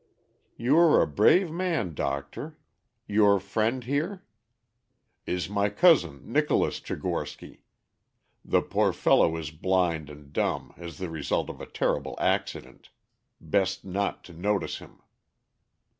"You are a brave man, doctor. Your friend here?" "Is my cousin Nicholas Tchigorsky? The poor fellow is blind and dumb, as the result of a terrible accident. Best not to notice him."